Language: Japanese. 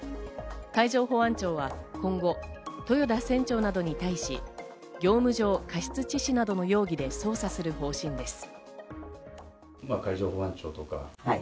海上保安庁は今後、豊田船長などに対し、業務上過失致死などの容疑で捜査する方針です。